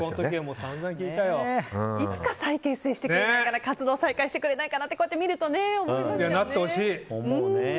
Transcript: いつか再結成して活動再開してくれないかなってこうやってみると思いますよね。